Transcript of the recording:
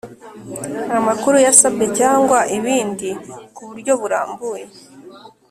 Amakuru yasabwe cyangwa ibindi kuburyo burambuye